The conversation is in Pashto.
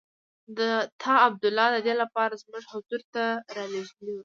تا عبدالله د دې لپاره زموږ حضور ته رالېږلی وو.